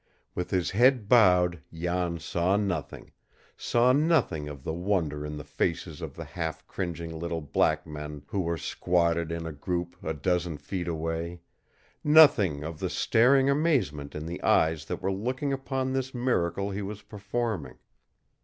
With his head bowed Jan saw nothing saw nothing of the wonder in the faces of the half cringing little black men who were squatted in a group a dozen feet away, nothing of the staring amazement in the eyes that were looking upon this miracle he was performing.